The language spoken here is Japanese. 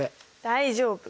大丈夫。